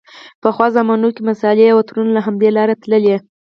پخوا زمانو کې مصالحې او عطرونه له همدې لارې تللې.